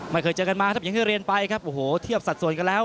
ไม่เคยเจอกันมาครับอย่างที่เรียนไปครับโอ้โหเทียบสัดส่วนกันแล้ว